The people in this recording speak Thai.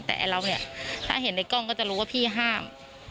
แต่เราเนี่ยถ้าเห็นในกล้องก็จะรู้ว่าพี่ห้าม